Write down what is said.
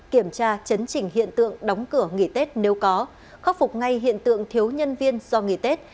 kiểm tra chấn chỉnh hiện tượng đóng cửa nghỉ tết nếu có khắc phục ngay hiện tượng thiếu nhân viên do nghỉ tết